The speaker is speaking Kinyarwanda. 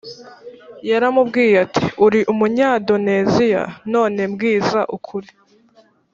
yaramubwiye ati uri umunyandoneziya none mbwiza ukuri